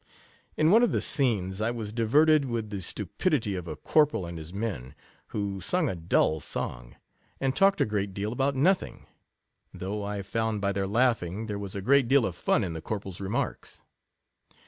In one of the scenes I was diverted with the stupidity of a corporal and his men, who sung a dull song, and talked a great deal about nothing : though I found by their laughing, there was a great deal of fun in the corporal's remarks.